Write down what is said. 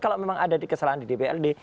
kalau memang ada di kesalahan di dprd